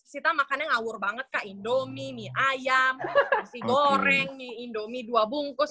sita makannya ngawur banget kak indomie mie ayam nasi goreng mie indomie dua bungkus